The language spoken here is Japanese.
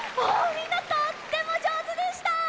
みんなとってもじょうずでした！